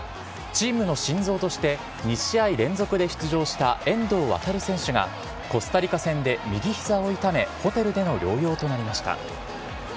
チームの心臓として、２試合連続で出場した遠藤航選手が、コスタリカ戦で右ひざを痛め、ホテルでの療養となりました。